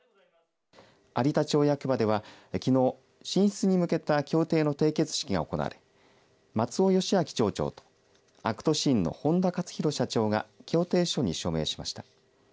有田町役場ではきのう進出に向けた協定の締結式が行われ松尾佳昭町長とアクトシーンの本多克宏社長が協定書に署名しました。